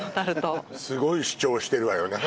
すごい主張してるわよね